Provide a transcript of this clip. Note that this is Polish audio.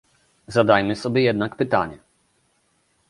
Zadajmy sobie jednak pytanie